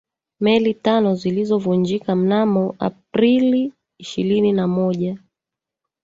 meli tano zilizovunjika mnamo aprili ishilini na moja